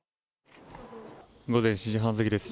午前７時半過ぎです。